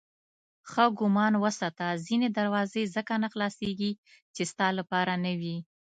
ښه ګمان وساته ځینې دروازې ځکه نه خلاصېدې چې ستا لپاره نه وې.